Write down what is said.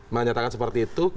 menyatakan seperti itu